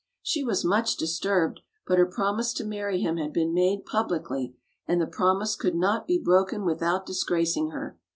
She was much disturbed, but her promise to marry him had been made pub licly, and the promise could not be broken without disgracing her.